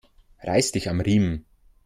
Reiß dich am Riemen!